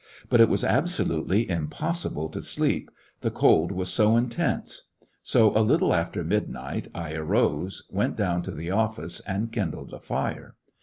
But it was absolutely impossible to sleep, the cold was so intense ; so a little after midnight I arose, went down to the of&ce, and kindled a fire.